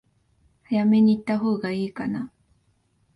早めに行ったほうが良いかな？